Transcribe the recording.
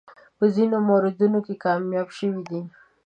په ځینو موردونو کې کامیاب شوی دی.